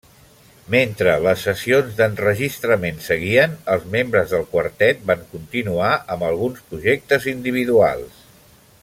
Mentre les sessions d'enregistrament seguien, els membres del quartet van continuar amb alguns projectes individuals.